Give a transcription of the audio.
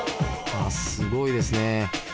すごいですね。